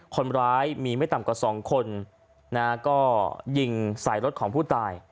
คนร้ายไม่ต่ำกว่า๒คนนะครับก็ยิงสายรถของผู้ตาย